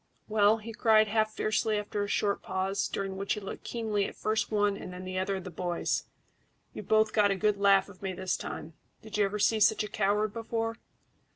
Well," he cried, half fiercely, after a short pause, during which he looked keenly at first one and then the other of the boys, "you've both got the laugh of me this time. Did you ever see such a coward before?"